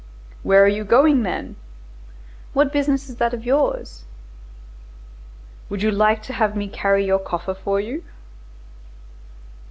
"Where are you going, then?" "What business is that of yours?" "Would you like to have me carry your coffer for you?"